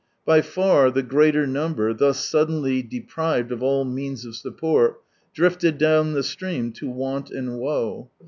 By far the greater number, thus suddenly deprived of all means of support, drifted down ihe stream lo want and woe.